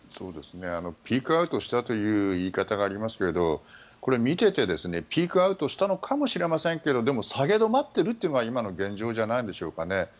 ピークアウトしたという言い方がありますがこれは見ていてピークアウトしたのかもしれませんけれどでも下げ止まっているというのが今の現状じゃないんでしょうかね。